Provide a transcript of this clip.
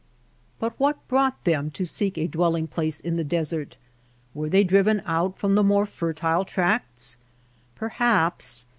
But what brought them to seek a dwelling place in the desert ? Were they driven out from the more fertile tracts ? Perhaps.